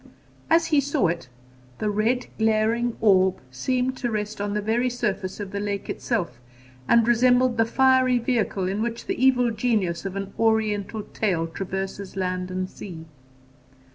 As he saw it, the red glaring orb seemed to rest on the very surface of the lake itself, and resembled the fiery vehicle in which the Evil Genius of an Oriental tale traverses land and sea.